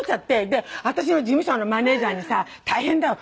で私の事務所のマネジャーにさ「大変だよ！